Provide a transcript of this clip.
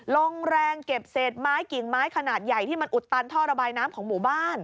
ลงแรงเก็บเศษไม้กิ่งไม้ขนาดใหญ่ที่มันอุดตันท่อระบายน้ำของหมู่บ้าน